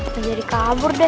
kita jadi kabur deh